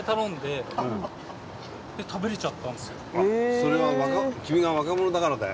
それは君が若者だからだよ。